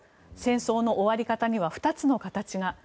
戦争の終わり方には２つの形が。